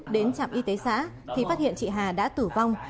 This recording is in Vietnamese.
đến trạm y tế xã thì phát hiện chị hà đã tử vong